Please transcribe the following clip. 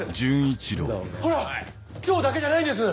ほら今日だけじゃないんです！